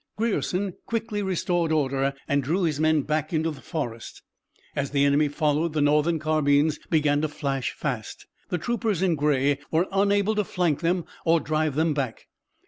Grierson quickly restored order and drew his men back into the forest. As the enemy followed the Northern carbines began to flash fast. The troopers in gray were unable to flank them or drive them back.